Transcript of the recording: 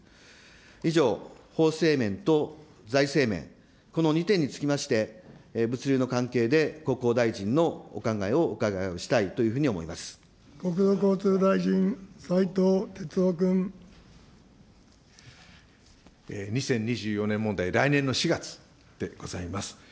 以上、法制面と財政面、この２点につきまして、物流の関係で国交大臣のお考えをお伺いをしたいというふうに思い国土交通大臣、２０２４年問題、来年の４月でございます。